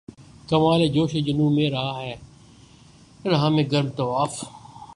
کمال جوش جنوں میں رہا میں گرم طواف